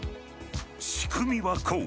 仕組みはこう。